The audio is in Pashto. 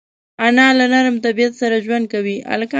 انا له نرم طبیعت سره ژوند کوي